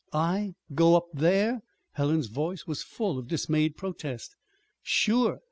"I go up there?" Helen's voice was full of dismayed protest. "Sure!